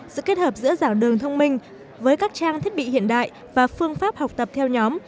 sự kết hợp giữa giảng đường thông minh với các trang thiết bị hiện đại và phương pháp học tập theo nhóm